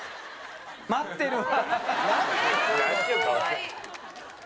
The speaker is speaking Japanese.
待ってるわ。